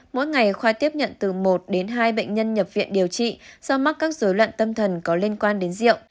mỗi ngày khoa tiếp nhận từ một đến hai bệnh nhân nhập viện điều trị do mắc các dối loạn tâm thần có liên quan đến rượu